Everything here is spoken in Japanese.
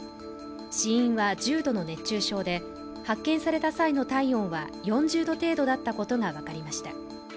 死因は重度の熱中症で、発見された際の体温は４０度程度だったことが分かりました。